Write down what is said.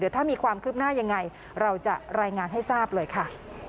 ถ้ามีความคืบหน้ายังไงเราจะรายงานให้ทราบเลยค่ะ